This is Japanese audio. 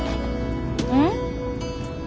うん？